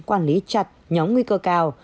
quản lý chặt nhóm nguy cơ cao